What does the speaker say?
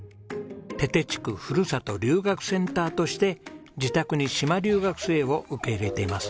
手々地区ふるさと留学センターとして自宅に島留学生を受け入れています。